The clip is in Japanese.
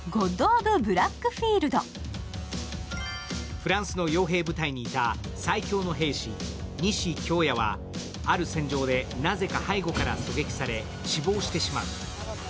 フランスの傭兵部隊にいた最強の兵士、西恭弥はある戦場でなぜか背後から狙撃され死亡してしまう。